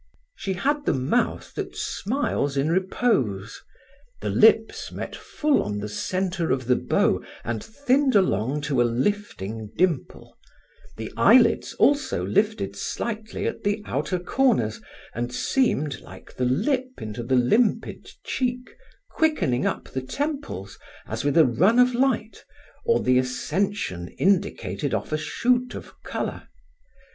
She had the mouth that smiles in repose. The lips met full on the centre of the bow and thinned along to a lifting dimple; the eyelids also lifted slightly at the outer corners, and seemed, like the lip into the limpid cheek, quickening up the temples, as with a run of light, or the ascension indicated off a shoot of colour.